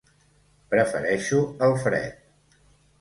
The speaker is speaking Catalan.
Prefereixo el fred.